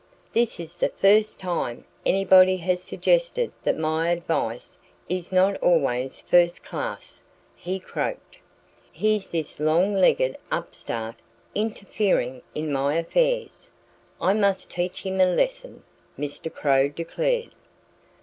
"This is the first time anybody has suggested that my advice is not always first class!" he croaked. "Here's this long legged upstart interfering in my affairs. I must teach him a lesson!" Mr. Crow declared.